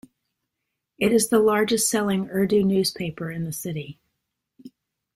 It is the largest selling Urdu newspaper in the city.